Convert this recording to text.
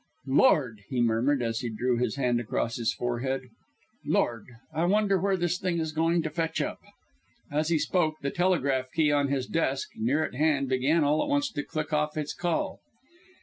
"Lord!" he murmured, as he drew his hand across his forehead, "Lord! I wonder where this thing is going to fetch up." As he spoke, the telegraph key on his desk, near at hand, began all at once to click off his call.